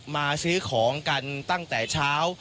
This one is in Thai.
มาซื้อของกันตั้งแต่เช้า